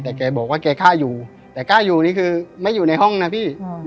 แต่แกบอกว่าแกกล้าอยู่แต่กล้าอยู่นี่คือไม่อยู่ในห้องนะพี่